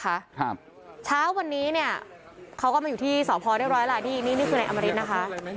ครับเช้าวันนี้เนี่ยเขาก็มาอยู่ที่สพเรียบร้อยล่ะนี่นี่นี่คือในอมริตนะคะ